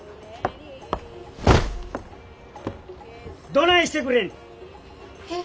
どないしてくれんねん。